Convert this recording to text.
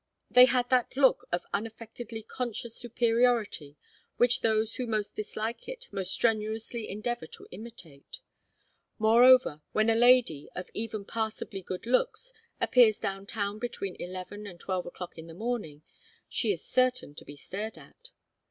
They had that look of unaffectedly conscious superiority which those who most dislike it most strenuously endeavour to imitate. Moreover, when a lady, of even passably good looks, appears down town between eleven and twelve o'clock in the morning, she is certain to be stared at.